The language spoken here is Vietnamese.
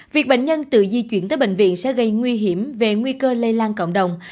việc bệnh nhân tự di chuyển tới bệnh viện sẽ gây nguy hiểm về nguy cơ lây lan cộng đồng